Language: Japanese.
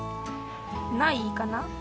ないかな？